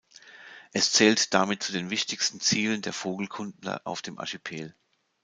Es zählt damit zu den wichtigsten Zielen der Vogelkundler auf dem Archipel.